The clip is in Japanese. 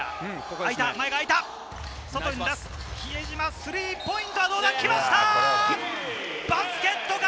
比江島スリーポイント来ました！